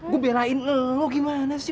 gue belain lo gimana sih